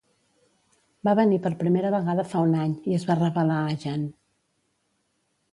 Va venir per primera vegada fa un any i es va revelar a Jeanne.